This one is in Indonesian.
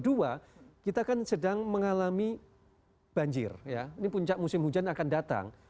kedua kita kan sedang mengalami banjir ya ini puncak musim hujan akan datang